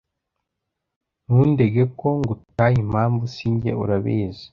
Ntundege ko ngutaye Impamvu si jye urabizi